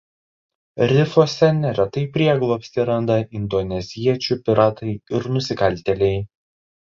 Rifuose neretai prieglobstį randa indoneziečių piratai ir nusikaltėliai.